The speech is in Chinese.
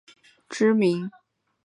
以生产香槟酒最为知名。